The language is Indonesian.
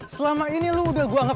selama ini lu udah gua anggap